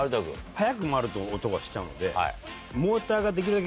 速く回ると音がしちゃうんで。